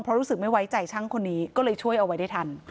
เพราะรู้สึกไม่ไว้ใจช่างคนนี้ก็เลยช่วยเอาไว้ได้ทัน